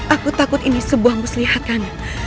aku takut ini sebuah muslihat kan